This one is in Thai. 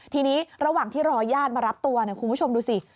ทีนี้ระหว่างที่รอญาติมารับตัวคุณผู้ชมดูสิ